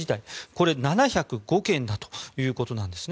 これが７０５件だったということなんですね